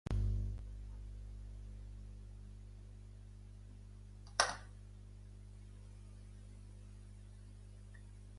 La versió del "Guitar Hero" també apareix a l'adaptació cinematogràfica del "L"Equipo A".